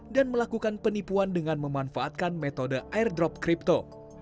dan melakukan penipuan dengan memanfaatkan metode airdrop crypto